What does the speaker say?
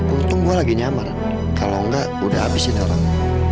untung gue lagi nyamar kalau enggak udah habisin orang